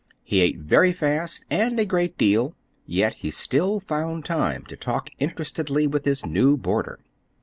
He ate very fast, and a great deal, yet he still found time to talk interestedly with his new boarder.